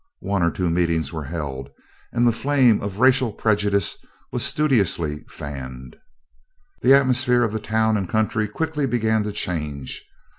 One or two meetings were held, and the flame of racial prejudice was studiously fanned. The atmosphere of the town and country quickly began to change.